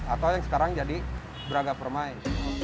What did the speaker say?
atau yang sekarang jadi braga permain